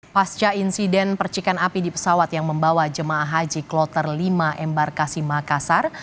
pasca insiden percikan api di pesawat yang membawa jemaah haji kloter lima embarkasi makassar